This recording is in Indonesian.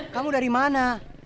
kamu dari mana